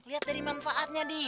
lihat dari manfaatnya di